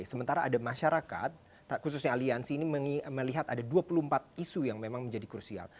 sementara ada masyarakat khususnya aliansi ini melihat ada dua puluh empat isu yang memang menjadi krusial